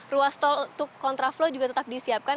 ruas tol untuk kontraflow juga tetap disiapkan